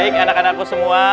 baik anak anakku semua